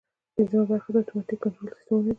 پنځمه برخه د اتوماتیک کنټرول سیسټمونه دي.